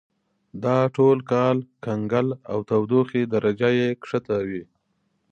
دا ټول کال کنګل او تودوخې درجه یې کښته وي.